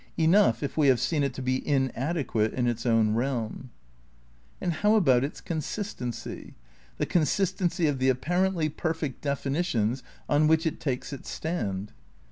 Enough if we have seen it to be inadequate in its own realm. And how about its consistency? The consistency of the apparently perfect definitions on which it takes its stand?